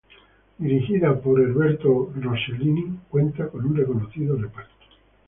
Dirigida por Herbert Ross, cuenta con un reconocido reparto.